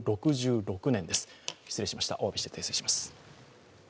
お詫びして訂正します。